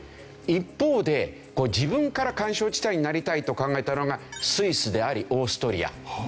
一方で自分から緩衝地帯になりたいと考えたのがスイスでありオーストリア。